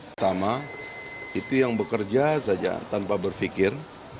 pertama itu yang bekerja saja tanpa berpikir